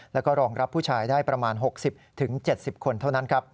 และรองรับผู้ชายได้ประมาณ๖๐๗๐คนเท่านั้น